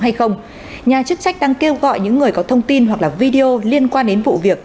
hay không nhà chức trách đang kêu gọi những người có thông tin hoặc là video liên quan đến vụ việc